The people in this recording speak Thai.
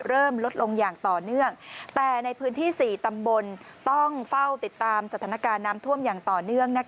เริ่มลดลงอย่างต่อเนื่องแต่ในพื้นที่๔ตำบลต้องเฝ้าติดตามสถานการณ์น้ำท่วมอย่างต่อเนื่อง